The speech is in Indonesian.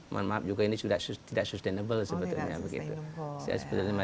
mohon maaf ini juga tidak sustainable sebetulnya